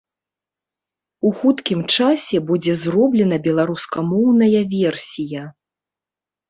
У хуткім часе будзе зроблена беларускамоўная версія.